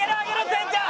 せんちゃん！